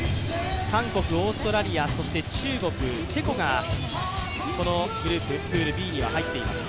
韓国、オーストラリア、中国、チェコがこのプールＢには入っています。